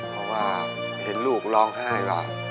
เพราะว่าเห็นลูกร้องไห้ก็